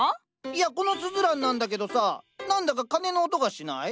いやこのスズランなんだけどさ何だか鐘の音がしない？